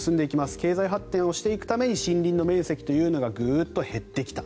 経済発展をしていくために森林の面積というのがグッと減ってきた。